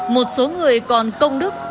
một số người còn công đức